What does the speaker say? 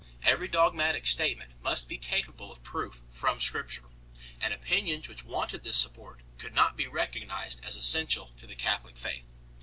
Every dogmatic statement must be capable of proof from Scripture 2 , and opinions which wanted this support could not be recognized as essential to the Catholic faith.